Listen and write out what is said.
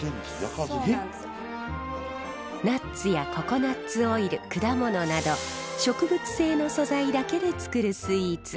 ナッツやココナツオイル果物など植物性の素材だけで作るスイーツ。